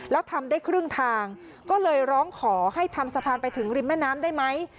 แล้วทำได้ครึ่งทางก็เลยร้องขอให้ทำสะพานไปถึงริมแม่น้ำได้ไหม